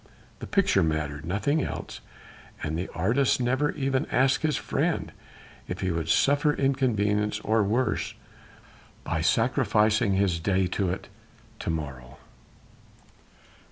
The picture mattered nothing else and the artist never even asked his friend if he would suffer inconvenience or worse by sacrificing his day to it to morrow.